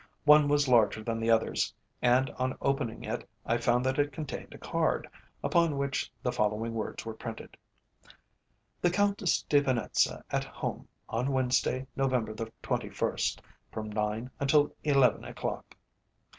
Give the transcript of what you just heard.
One was larger than the others, and on opening it I found that it contained a card, upon which the following words were printed: "The Countess de Venetza at Home on Wednesday, November the 21st, from nine until eleven o'clock."